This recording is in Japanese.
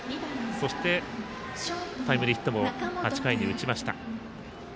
そして、タイムリーヒットも８回に打ちました。